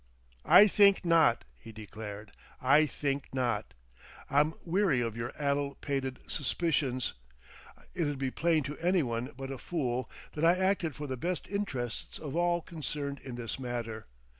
"I think not," he declared; "I think not. I'm weary of your addle pated suspicions. It'd be plain to any one but a fool that I acted for the best interests of all concerned in this matter.